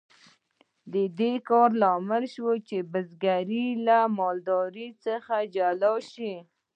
د دې کار لامل شو چې بزګري له مالدارۍ څخه جلا شي.